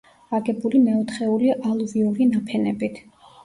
აგებული მეოთხეული ალუვიური ნაფენებით.